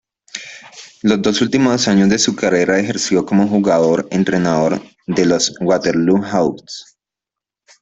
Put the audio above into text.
Los dos últimos años de su carrera ejerció como jugador-entrenador de los Waterloo Hawks.